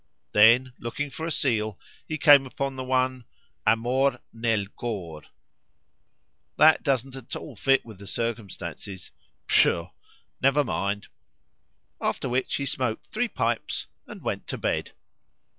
Then looking for a seal, he came upon the one "Amor nel cor." "That doesn't at all fit in with the circumstances. Pshaw! never mind!" After which he smoked three pipes and went to bed.